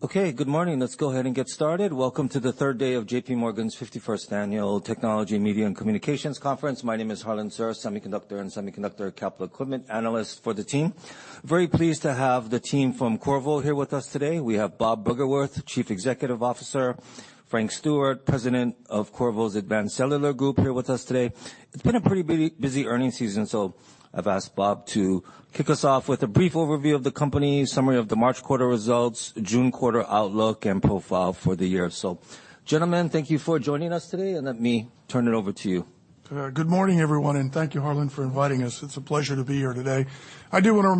Okay. Good morning. Let's go ahead and get started. Welcome to the third day of JPMorgan's 51st Annual Technology, Media and Communications Conference. My name is Harlan Sur, semiconductor and semiconductor capital equipment analyst for the team. Very pleased to have the team from Qorvo here with us today. We have Bob Bruggeworth, Chief Executive Officer, Frank Stewart, President of Qorvo's Advanced Cellular Group here with us today. It's been a pretty busy earnings season. I've asked Bob to kick us off with a brief overview of the company, summary of the March quarter results, June quarter outlook, and profile for the year. Gentlemen, thank you for joining us today, and let me turn it over to you. Good morning, everyone, and thank you, Harlan, for inviting us. It's a pleasure to be here today. I thought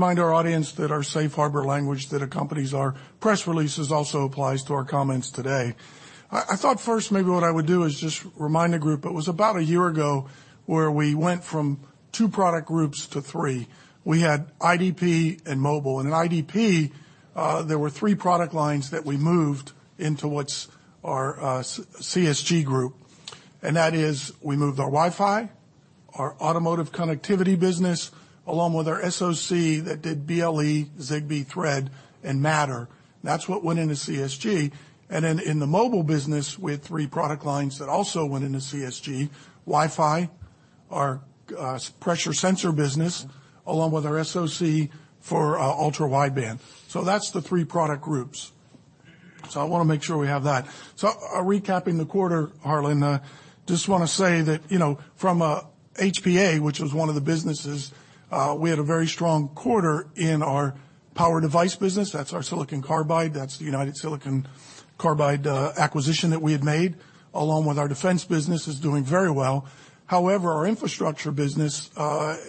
first maybe what I would do is just remind the group it was about a year ago where we went from two product groups to three. We had IDP and mobile. In IDP, there were three product lines that we moved into what's our CSG group, and that is we moved our Wi-Fi, our automotive connectivity business, along with our SoC that did BLE, Zigbee, Thread, and Matter. That's what went into CSG. And then in the mobile business with three product lines that also went into CSG, Wi-Fi, our pressure sensor business, along with our SoC for ultra-wideband. That's the three product groups. I wanna make sure we have that. Recapping the quarter, Harlan, just wanna say that, you know, from a HPA, which was one of the businesses, we had a very strong quarter in our power device business. That's our silicon carbide. That's the United Silicon Carbide acquisition that we had made, along with our defense business is doing very well. Our infrastructure business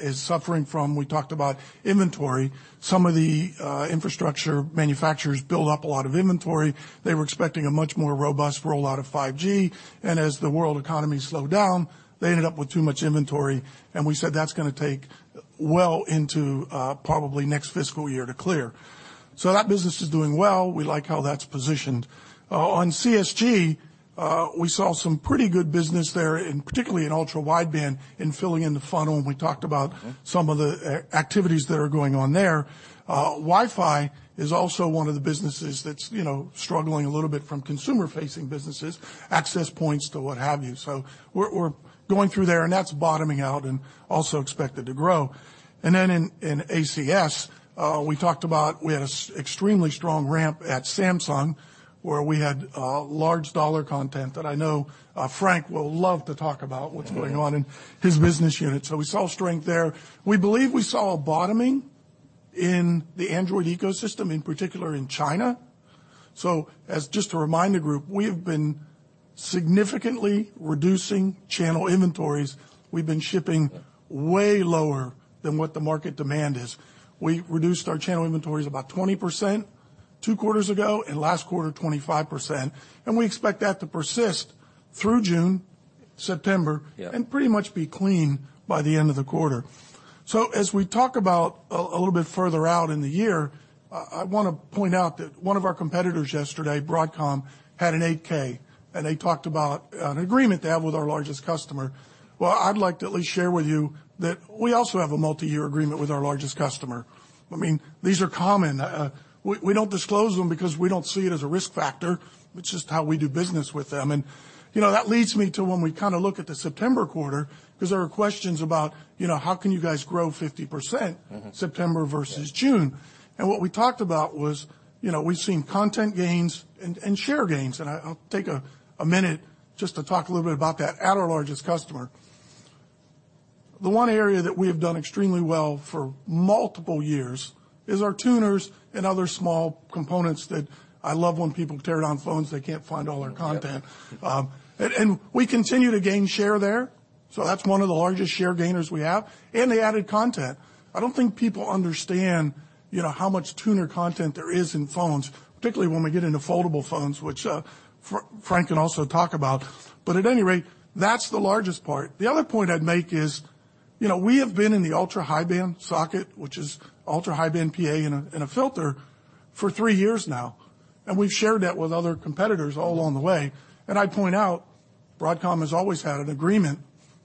is suffering from, we talked about inventory. Some of the infrastructure manufacturers built up a lot of inventory. They were expecting a much more robust rollout of 5G, and as the world economy slowed down, they ended up with too much inventory, and we said that's gonna take well into probably next fiscal year to clear. That business is doing well. We like how that's positioned. On CSG, we saw some pretty good business there, and particularly in Ultra-Wideband in filling in the funnel. some of the activities that are going on there. Wi-Fi is also one of the businesses that's, you know, struggling a little bit from consumer-facing businesses, access points to what have you. we're going through there, and that's bottoming out and also expected to grow. Then in ACS, we talked about we had an extremely strong ramp at Samsung, where we had large dollar content that I know Frank will love to talk about. What's going on in his business unit. We saw strength there. We believe we saw a bottoming in the Android ecosystem, in particular in China. As just to remind the group, we have been significantly reducing channel inventories. We've been shipping way lower than what the market demand is. We reduced our channel inventories about 20% two quarters ago, and last quarter, 25%. We expect that to persist through June, September- Yeah. Pretty much be clean by the end of the quarter. As we talk about a little bit further out in the year, I wanna point out that one of our competitors yesterday, Broadcom, had an 8-K, and they talked about an agreement they have with our largest customer. Well, I'd like to at least share with you that we also have a multiyear agreement with our largest customer. I mean, these are common. We don't disclose them because we don't see it as a risk factor. It's just how we do business with them. You know, that leads me to when we kinda look at the September quarter, 'cause there are questions about, you know, how can you guys grow 50%. Mm-hmm. September versus June. What we talked about was, you know, we've seen content gains and share gains. I'll take a minute just to talk a little bit about that at our largest customer. The one area that we have done extremely well for multiple years is our tuners and other small components that I love when people tear down phones, they can't find all our content. We continue to gain share there, so that's one of the largest share gainers we have, and the added content. I don't think people understand, you know, how much tuner content there is in phones, particularly when we get into foldable phones, which Frank can also talk about. At any rate, that's the largest part. The other point I'd make is, you know, we have been in the ultra-high band socket, which is ultra-high band PA in a, in a filter for three years now, and we've shared that with other competitors all along the way. I point out, Broadcom has always had an agreement,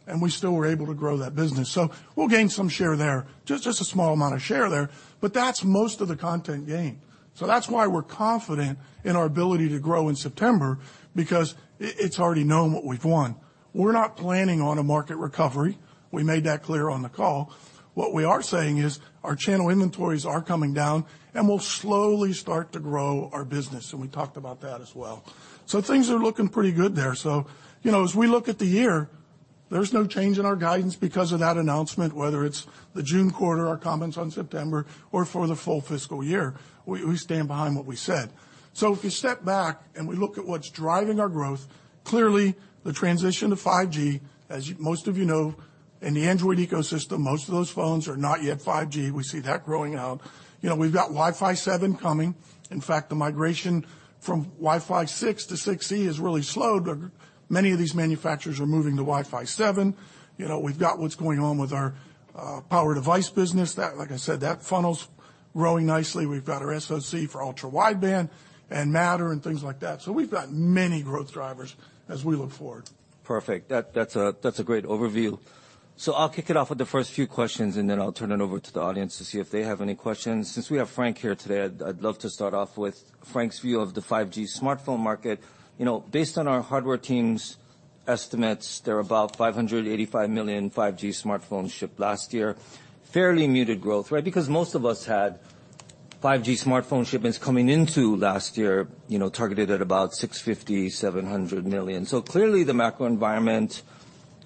and we still were able to grow that business. We'll gain some share there, just a small amount of share there, but that's most of the content gain. That's why we're confident in our ability to grow in September because it's already known what we've won. We're not planning on a market recovery. We made that clear on the call. What we are saying is our channel inventories are coming down, and we'll slowly start to grow our business, and we talked about that as well. Things are looking pretty good there. You know, as we look at the year, there's no change in our guidance because of that announcement, whether it's the June quarter, our comments on September, or for the full fiscal year. We stand behind what we said. If you step back and we look at what's driving our growth, clearly the transition to 5G, as most of you know, in the Android ecosystem, most of those phones are not yet 5G. We see that growing out. You know, we've got Wi-Fi 7 coming. In fact, the migration from Wi-Fi 6 to 6E has really slowed. Many of these manufacturers are moving to Wi-Fi 7. You know, we've got what's going on with our power device business. That, like I said, that funnel's growing nicely. We've got our SoC for Ultra-Wideband and Matter and things like that. We've got many growth drivers as we look forward. Perfect. That's a great overview. I'll kick it off with the first few questions, and then I'll turn it over to the audience to see if they have any questions. Since we have Frank here today, I'd love to start off with Frank's view of the 5G smartphone market. You know, based on our hardware team's estimates, there are about 585 million 5G smartphones shipped last year. Fairly muted growth, right? Because most of us had 5G smartphone shipments coming into last year, you know, targeted at about 650 million, 700 million. Clearly, the macro environment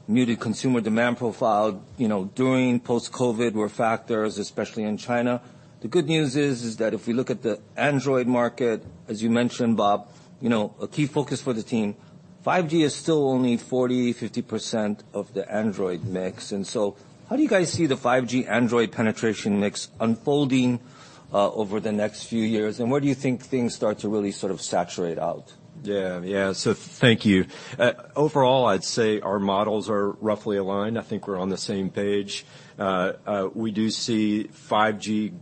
muted consumer demand profile, you know, during post-COVID were factors, especially in China. The good news is that if we look at the Android market, as you mentioned, Bob, you know, a key focus for the team, 5G is still only 40%-50% of the Android mix. How do you guys see the 5G Android penetration mix unfolding over the next few years? Where do you think things start to really sort of saturate out? Yeah. Yeah. Thank you. Overall, I'd say our models are roughly aligned. I think we're on the same page. We do see 5G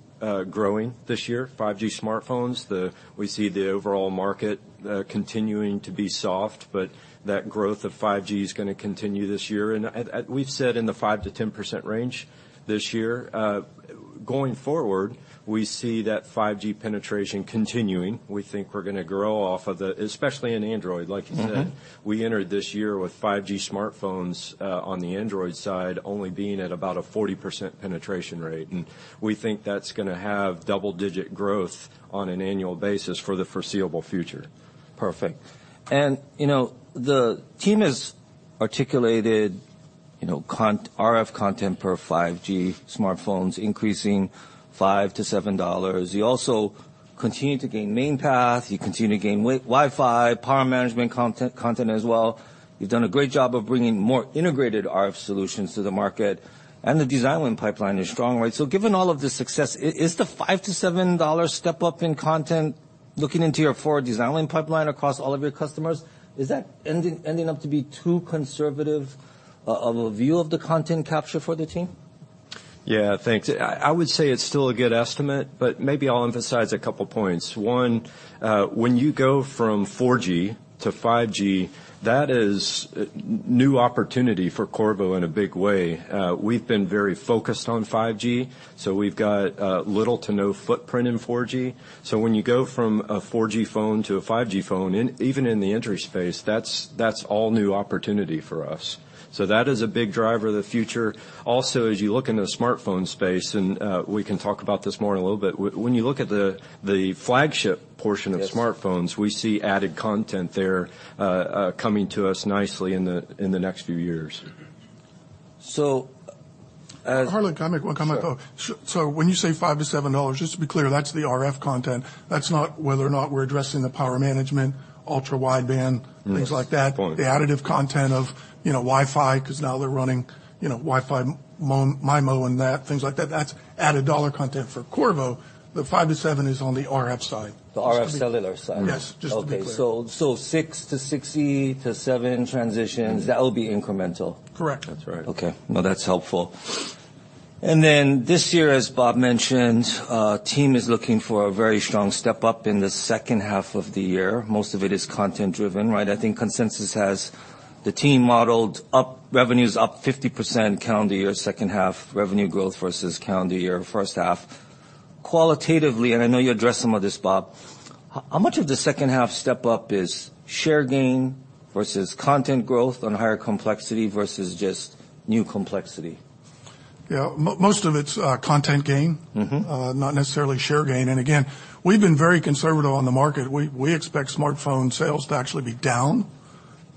growing this year, 5G smartphones. We see the overall market continuing to be soft, but that growth of 5G is gonna continue this year. We've said in the 5%-10% range this year. Going forward, we see that 5G penetration continuing. We think we're gonna grow off of the... Especially in Android. Mm-hmm. Like you said, we entered this year with 5G smartphones, on the Android side only being at about a 40% penetration rate. We think that's gonna have double-digit growth on an annual basis for the foreseeable future. Perfect. You know, the team has articulated, you know, RF content per 5G smartphones increasing $5-$7. You also continue to gain main path, you continue to gain Wi-Fi, power management content as well. You've done a great job of bringing more integrated RF solutions to the market, and the design win pipeline is strong, right? Given all of the success, is the $5-$7 step-up in content looking into your forward design win pipeline across all of your customers, is that ending up to be too conservative of a view of the content capture for the team? Yeah. Thanks. I would say it's still a good estimate, but maybe I'll emphasize a couple points. One, when you go from 4G to 5G, that is new opportunity for Qorvo in a big way. We've been very focused on 5G, so we've got little to no footprint in 4G. When you go from a 4G phone to a 5G phone, even in the entry space, that's all new opportunity for us. That is a big driver of the future. Also, as you look into the smartphone space, and we can talk about this more in a little bit. When you look at the flagship portion. Yes. -of smartphones, we see added content there, coming to us nicely in the next few years. So, uh- Harlan, can I make one comment? Sure. When you say $5-$7, just to be clear, that's the RF content. That's not whether or not we're addressing the power management, Ultra-Wideband... Yes. things like that. Good point. The additive content of, you know, Wi-Fi, 'cause now they're running, you know, Wi-Fi MIMO and that, things like that. That's added dollar content for Qorvo, but $5-$7 is on the RF side. The RF cellular side. Yes. Just to be clear. Okay. 6 to 60 to 7 transitions- Mm-hmm. that will be incremental. Correct. That's right. Okay. No, that's helpful. This year, as Bob mentioned, team is looking for a very strong step-up in the second half of the year. Most of it is content-driven, right? I think consensus has the team modeled up, revenues up 50% calendar year second half, revenue growth versus calendar year first half. Qualitatively, and I know you addressed some of this, Bob, how much of the second half step-up is share gain versus content growth on higher complexity versus just new complexity? Yeah. Most of it's content gain. Mm-hmm. Not necessarily share gain. Again, we've been very conservative on the market. We expect smartphone sales to actually be down,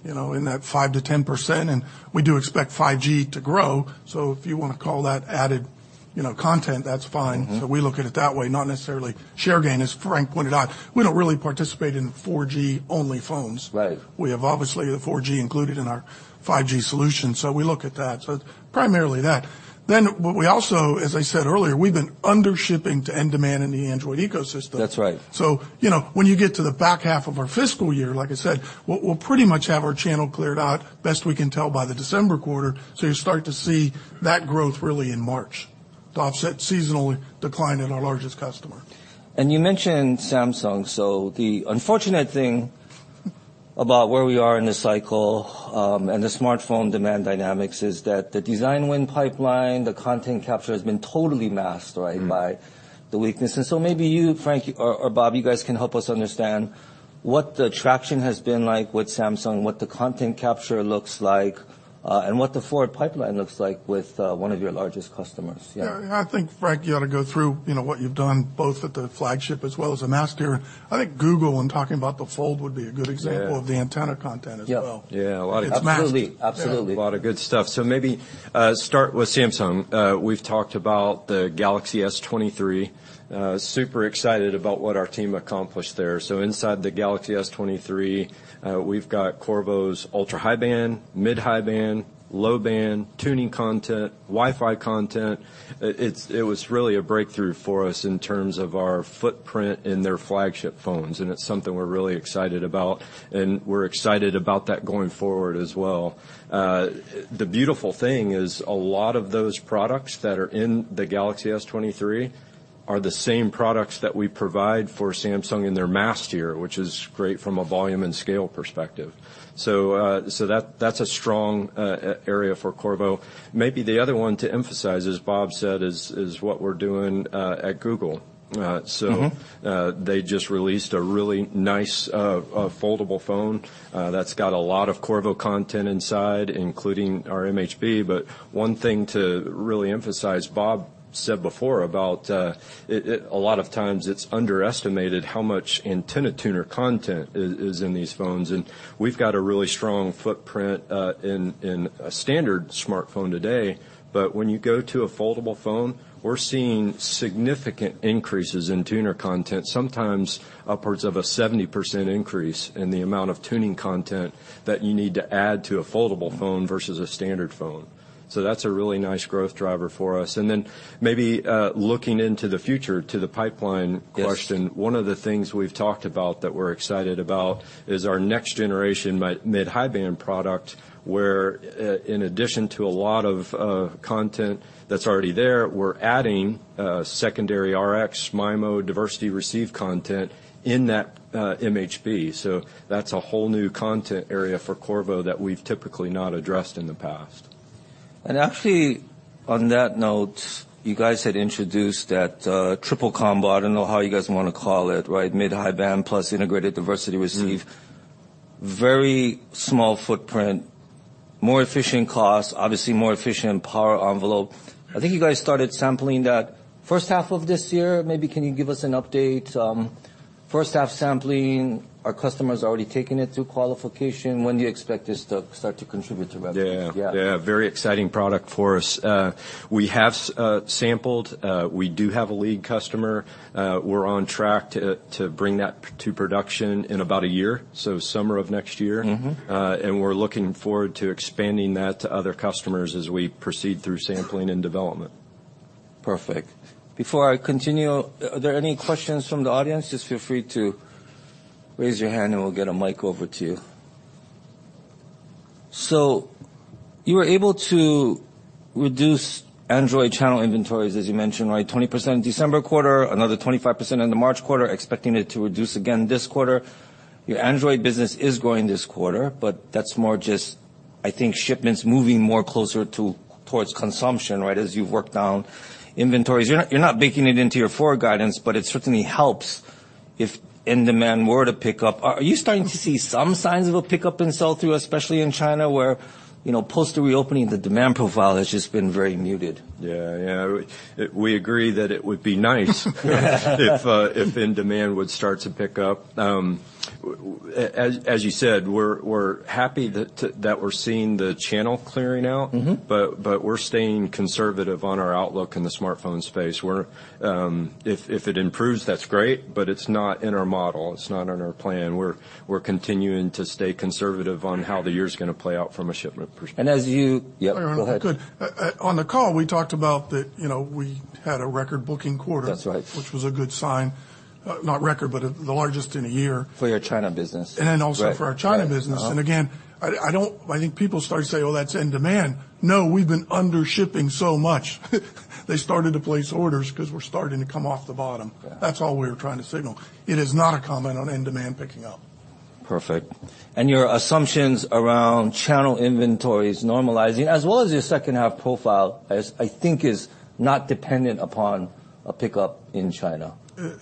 you know, in that 5%-10%, we do expect 5G to grow. If you wanna call that added, you know, content, that's fine. Mm-hmm. We look at it that way, not necessarily share gain, as Frank pointed out. We don't really participate in 4G-only phones. Right. We have obviously the 4G included in our 5G solution, so we look at that. It's primarily that. What we also, as I said earlier, we've been under shipping to end demand in the Android ecosystem. That's right. You know, when you get to the back half of our fiscal year, like I said, we'll pretty much have our channel cleared out, best we can tell by the December quarter, so you start to see that growth really in March to offset seasonal decline in our largest customer. You mentioned Samsung. The unfortunate thing about where we are in the cycle and the smartphone demand dynamics is that the design win pipeline, the content capture has been totally masked, right, by the weaknesses. Maybe you, Frank or Bob, you guys can help us understand what the traction has been like with Samsung, what the content capture looks like, and what the forward pipeline looks like with one of your largest customers. I think Frank, you ought to go through, you know, what you've done both with the flagship as well as the mass tier. I think Google, when talking about the Fold, would be a good example. Yeah. of the antenna content as well. Yep. Yeah. A lot of- It's masked. Absolutely. Absolutely. Yeah. A lot of good stuff. Maybe, start with Samsung. We've talked about the Galaxy S23. Super excited about what our team accomplished there. Inside the Galaxy S23, we've got Qorvo's ultra-high band, mid-high band, low band, tuning content, Wi-Fi content. It was really a breakthrough for us in terms of our footprint in their flagship phones, and it's something we're really excited about, and we're excited about that going forward as well. The beautiful thing is a lot of those products that are in the Galaxy S23 are the same products that we provide for Samsung in their mass tier, which is great from a volume and scale perspective. That's a strong area for Qorvo. Maybe the other one to emphasize, as Bob said, is what we're doing at Google. Mm-hmm. They just released a really nice foldable phone that's got a lot of Qorvo content inside, including our MHB. One thing to really emphasize, Bob said before about a lot of times it's underestimated how much antenna tuner content is in these phones. We've got a really strong footprint in a standard smartphone today. When you go to a foldable phone, we're seeing significant increases in tuner content, sometimes upwards of a 70% increase in the amount of tuning content that you need to add to a foldable phone versus a standard phone. That's a really nice growth driver for us. Then maybe, looking into the future to the pipeline question. Yes. One of the things we've talked about that we're excited about is our next generation mid-high band product, where, in addition to a lot of content that's already there, we're adding secondary Rx, MIMO, diversity receive content in that MHB. That's a whole new content area for Qorvo that we've typically not addressed in the past. Actually, on that note, you guys had introduced that triple combo. I don't know how you guys wanna call it, right? Mid-High Band plus Integrated Diversity Receive. Mm-hmm. Very small footprint, more efficient cost, obviously more efficient power envelope. I think you guys started sampling that first half of this year. Maybe can you give us an update, first half sampling? Are customers already taking it through qualification? When do you expect this to start to contribute to revenue? Yeah. Yeah. Yeah, very exciting product for us. We have sampled. We do have a lead customer. We're on track to bring that to production in about a year, so summer of next year. Mm-hmm. We're looking forward to expanding that to other customers as we proceed through sampling and development. Perfect. Before I continue, are there any questions from the audience? Just feel free to raise your hand, and we'll get a mic over to you. You were able to reduce Android channel inventories, as you mentioned, right, 20% in December quarter, another 25% in the March quarter, expecting it to reduce again this quarter. Your Android business is growing this quarter, but that's more just, I think, shipments moving more closer towards consumption, right, as you've worked down inventories. You're not baking it into your forward guidance, but it certainly helps if end demand were to pick up. Are you starting to see some signs of a pickup in sell-through, especially in China, where, you know, post the reopening, the demand profile has just been very muted? Yeah. We agree that it would be nice if end demand would start to pick up. As you said, we're happy that we're seeing the channel clearing out. Mm-hmm. We're staying conservative on our outlook in the smartphone space. We're, if it improves, that's great, but it's not in our model. It's not in our plan. We're continuing to stay conservative on how the year's gonna play out from a shipment perspective. Yep, go ahead. If I could. On the call, we talked about that, you know, we had a record booking quarter. That's right. which was a good sign. Not record, but the largest in a year. For your China business. Also for our China business. Right. Right. Again, I think people start to say, "Oh, that's end demand." No, we've been under shipping so much, they started to place orders because we're starting to come off the bottom. Yeah. That's all we were trying to signal. It is not a comment on end demand picking up. Perfect. Your assumptions around channel inventories normalizing, as well as your second half profile, is, I think, not dependent upon a pickup in China.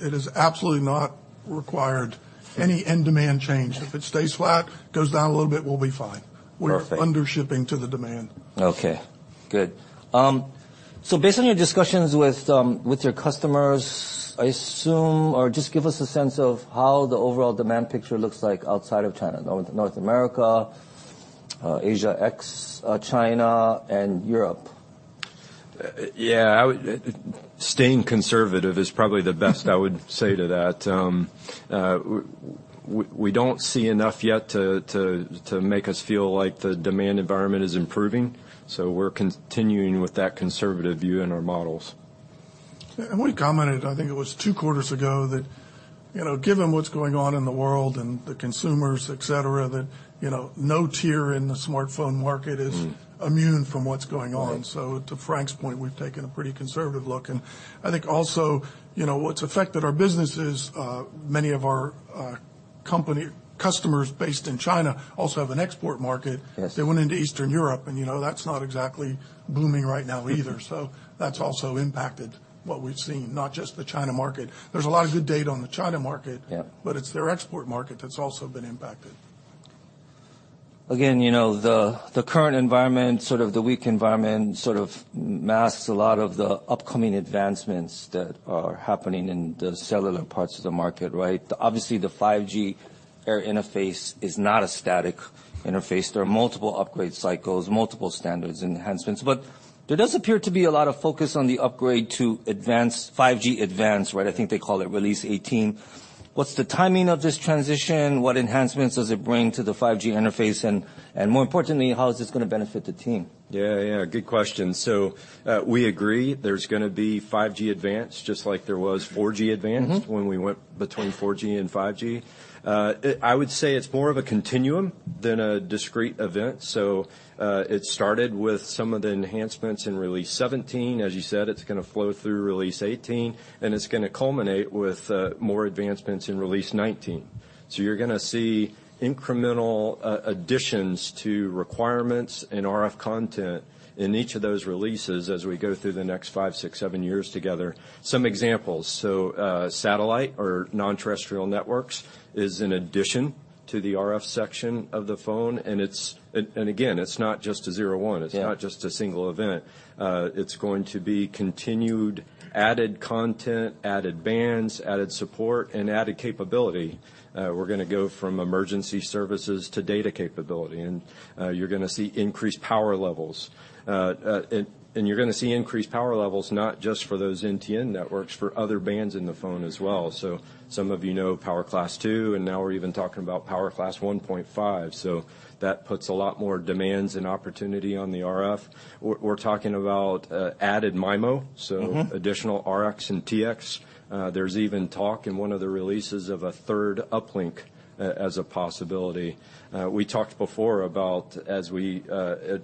It is absolutely not required. Any end demand change, if it stays flat, goes down a little bit, we'll be fine. Perfect. We're under shipping to the demand. Okay, good. Based on your discussions with your customers, I assume, or just give us a sense of how the overall demand picture looks like outside of China. North America, Asia ex China and Europe? Yeah. Staying conservative is probably the best I would say to that. We don't see enough yet to make us feel like the demand environment is improving, so we're continuing with that conservative view in our models. We commented, I think it was 2 quarters ago, that, you know, given what's going on in the world and the consumers, et cetera, that, you know, no tier in the smartphone market. Mm. immune from what's going on. Right. To Frank's point, we've taken a pretty conservative look. I think also, you know, what's affected our business is many of our customers based in China also have an export market. Yes. They went into Eastern Europe, and, you know, that's not exactly blooming right now either. That's also impacted what we've seen, not just the China market. There's a lot of good data on the China market. Yeah It's their export market that's also been impacted. You know, the current environment, sort of the weak environment masks a lot of the upcoming advancements that are happening in the cellular parts of the market, right? Obviously, the 5G air interface is not a static interface. There are multiple upgrade cycles, multiple standards enhancements. There does appear to be a lot of focus on the upgrade to advanced, 5G-Advanced, right? I think they call it Release 18. What's the timing of this transition? What enhancements does it bring to the 5G interface? More importantly, how is this gonna benefit the team? Yeah, yeah, good question. We agree there's gonna be 5G-Advanced just like there was 4G-Advanced. Mm-hmm... when we went between 4G and 5G. I would say it's more of a continuum than a discrete event, so, it started with some of the enhancements in Release 17. As you said, it's gonna flow through Release 18, and it's gonna culminate with, more advancements in Release 19. You're gonna see incremental, additions to requirements and RF content in each of those releases as we go through the next five, six, seven years together. Some examples. Satellite or non-terrestrial networks is an addition to the RF section of the phone, and And again, it's not just a 01. Yeah. It's not just a single event. It's going to be continued added content, added bands, added support, and added capability. We're gonna go from emergency services to data capability, and you're gonna see increased power levels. And you're gonna see increased power levels, not just for those NTN networks, for other bands in the phone as well. Some of you know Power Class 2, and now we're even talking about Power Class 1.5, so that puts a lot more demands and opportunity on the RF. We're talking about added MIMO. Mm-hmm. Additional RX and TX. There's even talk in one of the releases of a third uplink as a possibility. We talked before about as we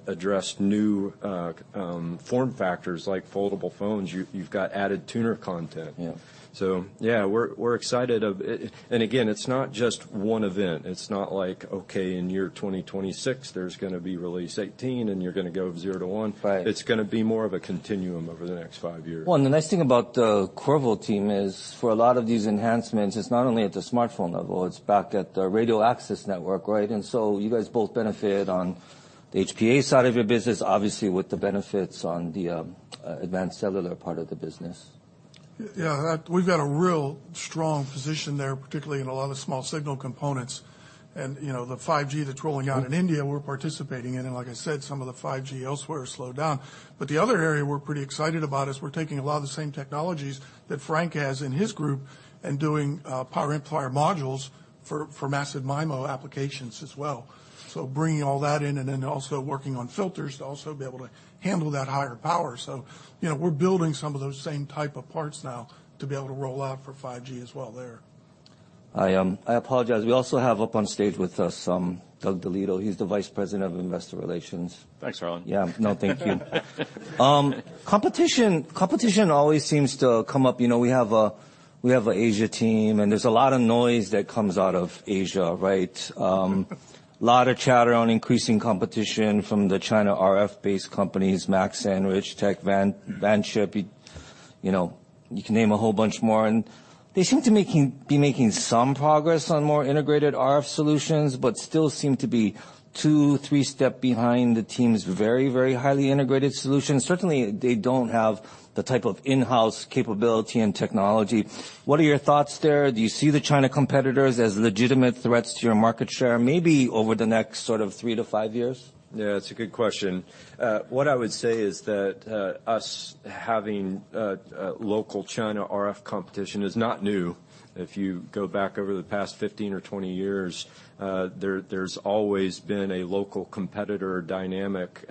address new form factors like foldable phones, you've got added tuner content. Yeah. Yeah, we're excited. Again, it's not just one event. It's not like, okay, in year 2026, there's gonna be Release 18, and you're gonna go 0 to 1. Right. It's gonna be more of a continuum over the next five years. Well, the nice thing about the Qorvo team is for a lot of these enhancements, it's not only at the smartphone level, it's back at the radio access network, right? You guys both benefit on the HPA side of your business, obviously with the benefits on the, advanced cellular part of the business. Yeah, we've got a real strong position there, particularly in a lot of small signal components. You know, the 5G that's rolling out in India, we're participating in. Like I said, some of the 5G elsewhere slowed down. The other area we're pretty excited about is we're taking a lot of the same technologies that Frank has in his group and doing power amplifier modules for massive MIMO applications as well. Bringing all that in and then also working on filters to also be able to handle that higher power. You know, we're building some of those same type of parts now to be able to roll out for 5G as well there. I apologize. We also have up on stage with us, Douglas DeLieto. He's the Vice President of Investor Relations. Thanks, Harlan. No, thank you. Competition always seems to come up. You know, we have an Asia team. There's a lot of noise that comes out of Asia, right? Lot of chatter on increasing competition from the China RF-based companies, MaxLinear, Richtek, Vanchip. You know, you can name a whole bunch more. They seem to be making some progress on more integrated RF solutions, but still seem to be two, three step behind the team's very highly integrated solutions. Certainly, they don't have the type of in-house capability and technology. What are your thoughts there? Do you see the China competitors as legitimate threats to your market share, maybe over the next sort of three to five years? Yeah, it's a good question. What I would say is that, us having, local China RF competition is not new. If you go back over the past 15 or 20 years, there's always been a local competitor dynamic,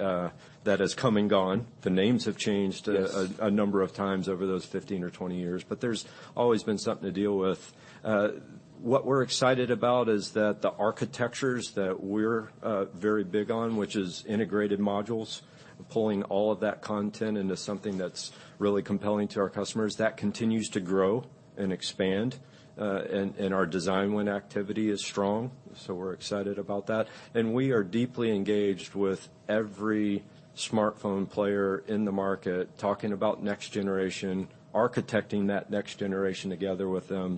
that has come and gone. The names have changed. Yes a number of times over those 15 or 20 years. There's always been something to deal with. What we're excited about is that the architectures that we're very big on, which is integrated modules, pulling all of that content into something that's really compelling to our customers, that continues to grow and expand. Our design win activity is strong, so we're excited about that. We are deeply engaged with every smartphone player in the market, talking about next generation, architecting that next generation together with them.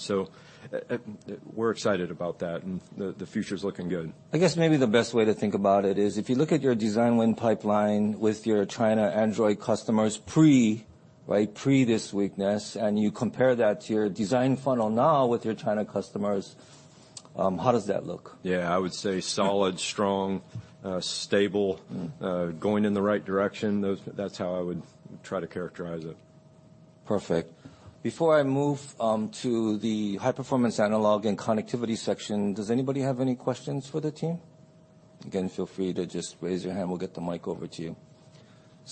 We're excited about that, and the future's looking good. I guess maybe the best way to think about it is if you look at your design win pipeline with your China Android customers pre, right, pre this weakness, and you compare that to your design funnel now with your China customers, how does that look? Yeah. I would say solid, strong, stable. Mm-hmm. Going in the right direction. Those, that's how I would try to characterize it. Perfect. Before I move to the high-performance analog and connectivity section, does anybody have any questions for the team? Again, feel free to just raise your hand. We'll get the mic over to you.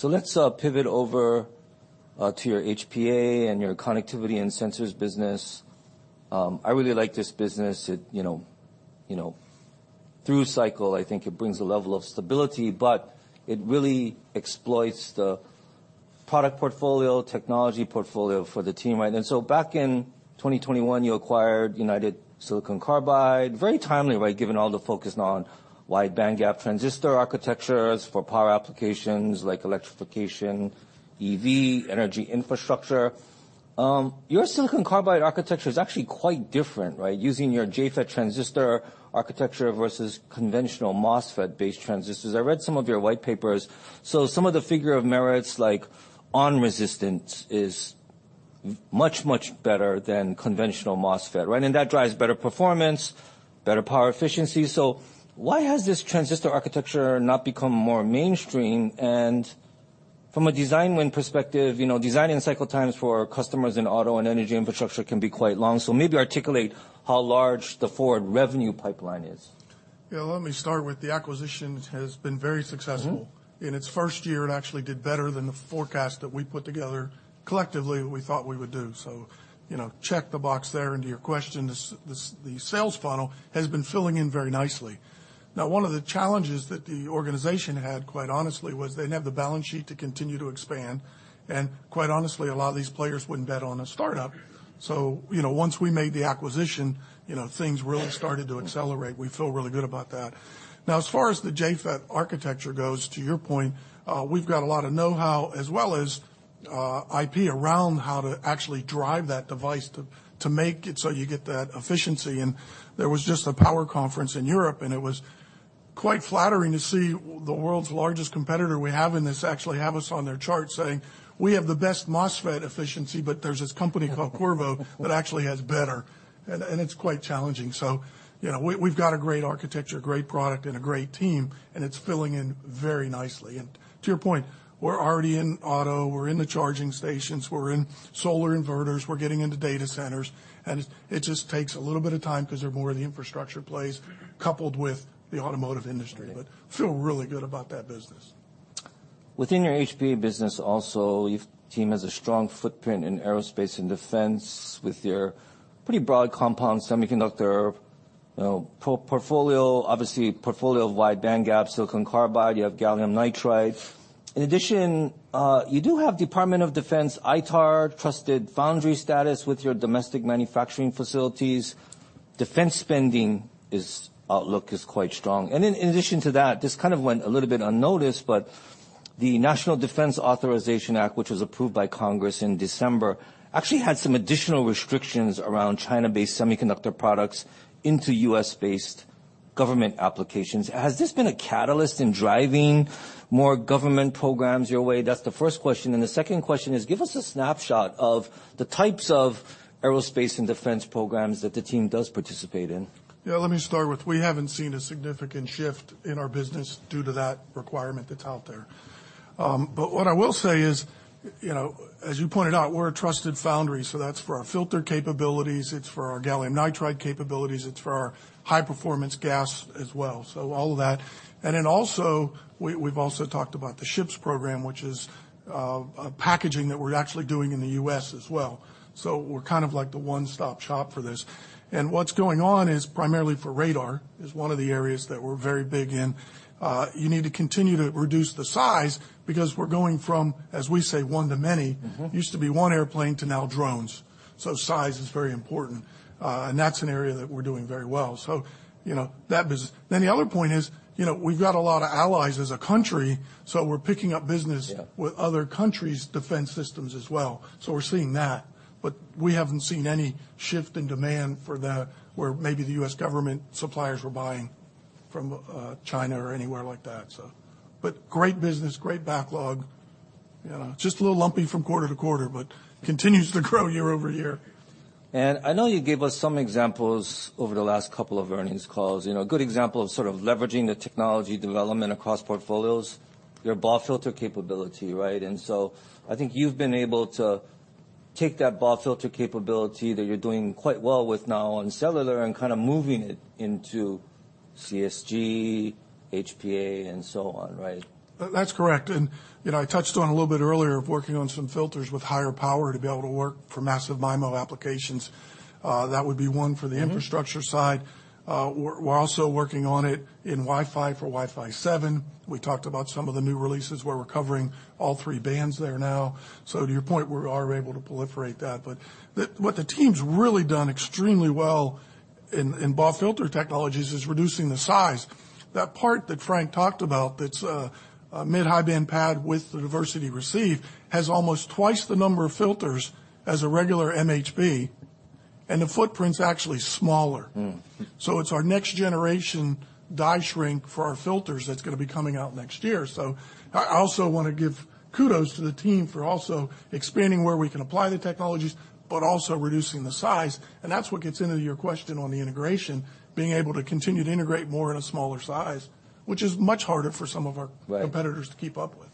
Let's pivot over to your HPA and your connectivity and sensors business. I really like this business. It, you know, through cycle, I think it brings a level of stability, but it really exploits the product portfolio, technology portfolio for the team, right? Back in 2021, you acquired United silicon carbide, very timely, right? Given all the focus on wide-bandgap transistor architectures for power applications like electrification, EV, energy infrastructure. Your silicon carbide architecture is actually quite different, right? Using your JFET transistor architecture versus conventional MOSFET-based transistors. I read some of your white papers. Some of the figure of merits like on-resistance is much better than conventional MOSFET, right? That drives better performance, better power efficiency. Why has this transistor architecture not become more mainstream? From a design win perspective, you know, designing cycle times for customers in auto and energy infrastructure can be quite long. Maybe articulate how large the forward revenue pipeline is. Yeah. Let me start with the acquisition has been very successful. Mm-hmm. In its first year, it actually did better than the forecast that we put together. Collectively, we thought we would do. You know, check the box there into your question, the sales funnel has been filling in very nicely. One of the challenges that the organization had, quite honestly, was they didn't have the balance sheet to continue to expand, and quite honestly, a lot of these players wouldn't bet on a startup. You know, once we made the acquisition, you know, things really started to accelerate. We feel really good about that. As far as the JFET architecture goes, to your point, we've got a lot of know-how as well as IP around how to actually drive that device to make it so you get that efficiency. There was just a power conference in Europe, and it was quite flattering to see the world's largest competitor we have in this actually have us on their chart saying, "We have the best MOSFET efficiency, but there's this company called Qorvo that actually has better." It's quite challenging. You know, we've got a great architecture, great product, and a great team, and it's filling in very nicely. To your point, we're already in auto, we're in the charging stations, we're in solar inverters, we're getting into data centers, and it just takes a little bit of time 'cause they're more the infrastructure plays coupled with the automotive industry. Right. Feel really good about that business. Within your HPA business also, your team has a strong footprint in aerospace and defense with your pretty broad compound semiconductor, you know, portfolio. Obviously, portfolio of wide-bandgap silicon carbide. You have gallium nitride. In addition, you do have Department of Defense ITAR trusted foundry status with your domestic manufacturing facilities. Defense spending outlook is quite strong. In addition to that, this kind of went a little bit unnoticed, but the National Defense Authorization Act, which was approved by Congress in December, actually had some additional restrictions around China-based semiconductor products into U.S.-based government applications. Has this been a catalyst in driving more government programs your way? That's the first question. The second question is, give us a snapshot of the types of aerospace and defense programs that the team does participate in. Let me start with we haven't seen a significant shift in our business due to that requirement that's out there. What I will say is, you know, as you pointed out, we're a trusted foundry, so that's for our filter capabilities, it's for our gallium nitride capabilities, it's for our high-performance GaAs as well. All of that. We, we've also talked about the SHIP program, which is, a packaging that we're actually doing in the U.S. as well. We're kind of like the one-stop shop for this. What's going on is primarily for radar, is one of the areas that we're very big in. You need to continue to reduce the size because we're going from, as we say, one to many. Mm-hmm. Used to be one airplane to now drones. Size is very important. That's an area that we're doing very well. The other point is, you know, we've got a lot of allies as a country, we're picking up business. Yeah... with other countries' defense systems as well. We're seeing that. We haven't seen any shift in demand for the where maybe the U.S. government suppliers were buying from, China or anywhere like that. Great business, great backlog, you know. Just a little lumpy from quarter-to-quarter, but continues to grow year-over-year. I know you gave us some examples over the last couple of earnings calls. A good example of sort of leveraging the technology development across portfolios, your BAW filter capability, right? I think you've been able to take that BAW filter capability that you're doing quite well with now on cellular and kinda moving it into CSG, HPA, and so on, right? That's correct. You know, I touched on a little bit earlier of working on some filters with higher power to be able to work for Massive MIMO applications. That would be one for the infrastructure side. Mm-hmm. We're also working on it in Wi-Fi for Wi-Fi 7. We talked about some of the new releases where we're covering all three bands there now. To your point, we are able to proliferate that. What the team's really done extremely well in BAW filter technologies is reducing the size. That part that Frank talked about, that's a mid-high band PAD with the diversity receive, has almost twice the number of filters as a regular MHB, and the footprint's actually smaller. Mm. It's our next generation die shrink for our filters that's going to be coming out next year. I also want to give kudos to the team for also expanding where we can apply the technologies, but also reducing the size, and that's what gets into your question on the integration, being able to continue to integrate more in a smaller size, which is much harder for some of our- Right... competitors to keep up with.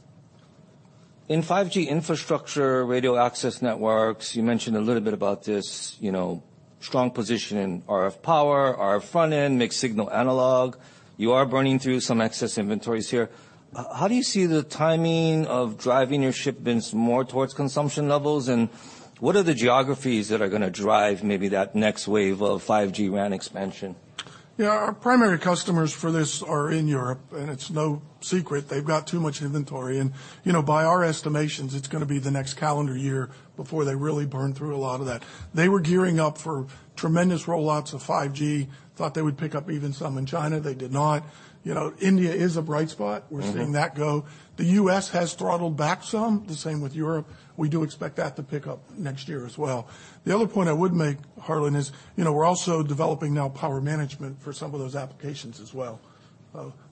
In 5G infrastructure, radio access networks, you mentioned a little bit about this, you know, strong position in RF power, RF frontend, mixed signal analog. You are burning through some excess inventories here. How do you see the timing of driving your shipments more towards consumption levels, and what are the geographies that are gonna drive maybe that next wave of 5G RAN expansion? Our primary customers for this are in Europe, it's no secret they've got too much inventory. You know, by our estimations, it's gonna be the next calendar year before they really burn through a lot of that. They were gearing up for tremendous rollouts of 5G. Thought they would pick up even some in China. They did not. You know, India is a bright spot. Mm-hmm. We're seeing that go. The U.S. has throttled back some, the same with Europe. We do expect that to pick up next year as well. The other point I would make, Harlan, is, you know, we're also developing now power management for some of those applications as well.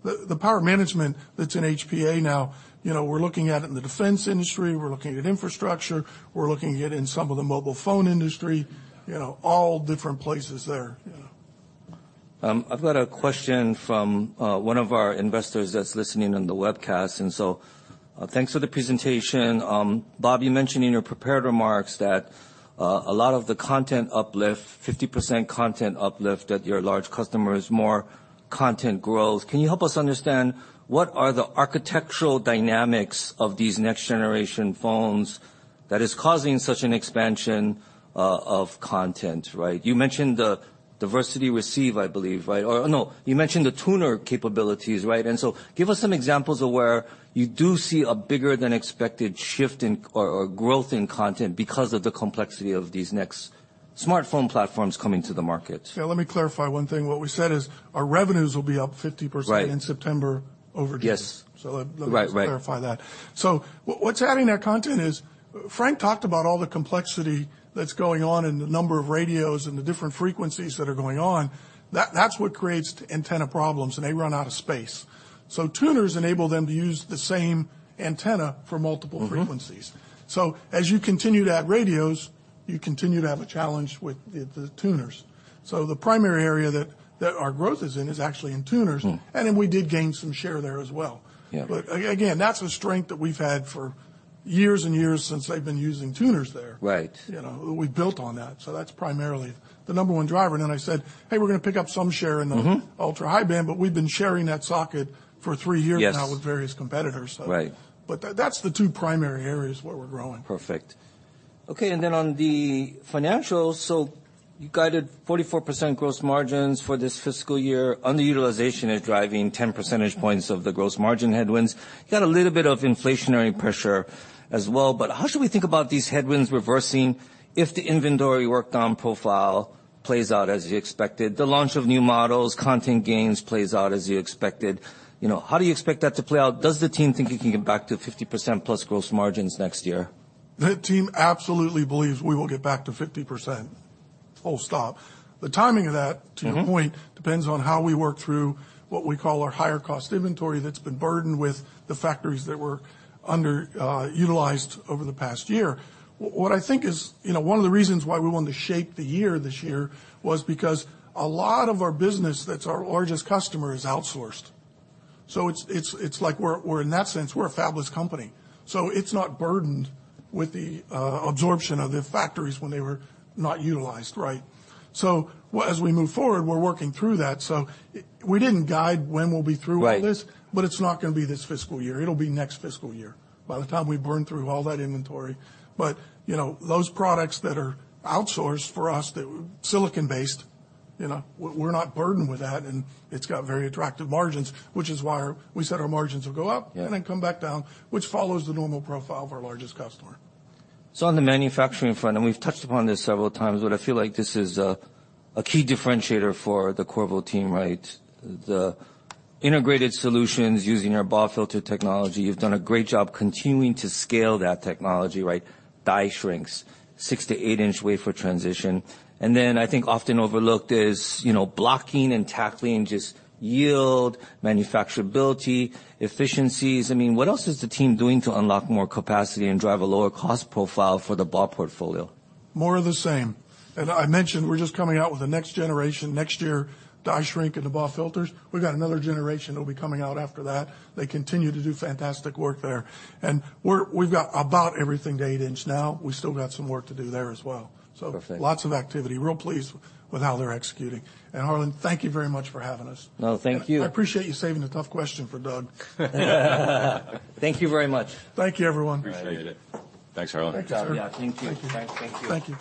The power management that's in HPA now, you know, we're looking at it in the defense industry, we're looking at infrastructure, we're looking at it in some of the mobile phone industry. You know, all different places there. Yeah. I've got a question from one of our investors that's listening on the webcast. Thanks for the presentation. Bob, you mentioned in your prepared remarks that a lot of the content uplift, 50% content uplift at your large customers, more content growth. Can you help us understand what are the architectural dynamics of these next generation phones that is causing such an expansion of content, right? You mentioned the diversity receive, I believe, right? Or no. You mentioned the tuner capabilities, right? Give us some examples of where you do see a bigger than expected shift in or growth in content because of the complexity of these next smartphone platforms coming to the market. Yeah, let me clarify one thing. What we said is our revenues will be up 50%... Right in September over June. Yes. Let me just clarify that. Right. Right. What's adding that content is Frank talked about all the complexity that's going on and the number of radios and the different frequencies that are going on, that's what creates antenna problems, and they run out of space. Tuners enable them to use the same antenna for multiple frequencies. Mm-hmm. As you continue to add radios, you continue to have a challenge with the tuners. The primary area that our growth is in is actually in tuners. Mm. We did gain some share there as well. Yeah. Again, that's a strength that we've had for years and years since they've been using tuners there. Right. You know, we've built on that. That's primarily the number one driver. I said, "Hey, we're gonna pick up some share in the... Mm-hmm... ultra-high band," but we've been sharing that socket for three years now. Yes with various competitors, so. Right. That's the two primary areas where we're growing. Perfect. On the financials, you guided 44% gross margins for this fiscal year. Underutilization is driving 10 percentage points of the gross margin headwinds. Got a little bit of inflationary pressure as well. How should we think about these headwinds reversing if the inventory worked on profile plays out as you expected, the launch of new models, content gains plays out as you expected? You know, how do you expect that to play out? Does the team think you can get back to 50%+ gross margins next year? The team absolutely believes we will get back to 50%, full stop. The timing of that, to your point. Mm-hmm... depends on how we work through what we call our higher cost inventory that's been burdened with the factories that were under utilized over the past year. What I think is, you know, one of the reasons why we wanted to shape the year this year was because a lot of our business that's our largest customer is outsourced. It's like we're in that sense, we're a fabless company, so it's not burdened with the absorption of the factories when they were not utilized, right. As we move forward, we're working through that. We didn't guide when we'll be through all this. Right. It's not gonna be this fiscal year. It'll be next fiscal year, by the time we burn through all that inventory. You know, those products that are outsourced for us that were silicon-based, you know, we're not burdened with that and it's got very attractive margins, which is why we said our margins will go up. Yeah Come back down, which follows the normal profile of our largest customer. On the manufacturing front, and we've touched upon this several times, but I feel like this is a key differentiator for the Qorvo team, right? The integrated solutions using our BAW filter technology, you've done a great job continuing to scale that technology, right? Die shrinks, 6-inch to 8-inch wafer transition, then I think often overlooked is, you know, blocking and tackling just yield, manufacturability, efficiencies. I mean, what else is the team doing to unlock more capacity and drive a lower cost profile for the BAW portfolio? More of the same. I mentioned we're just coming out with the next generation, next year die shrink in the BAW filters. We've got another generation that'll be coming out after that. They continue to do fantastic work there. We've got about everything to 8 inch now. We've still got some work to do there as well. Perfect. Lots of activity. Real pleased with how they're executing. Harlan, thank you very much for having us. No, thank you. I appreciate you saving the tough question for Doug. Thank you very much. Thank you, everyone. Appreciate it. Thanks, Harlan. Thanks, sir. Yeah, thank you. Thank you. Thanks. Thank you. Thank you.